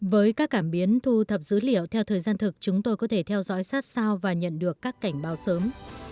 với các cảm biến thu thập dữ liệu theo thời gian thực chúng tôi có thể theo dõi sát sao và nhận được các cảnh báo sớm